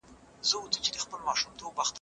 په ځمکه کي فساد مه کوئ.